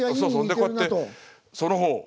でこうやって「その方」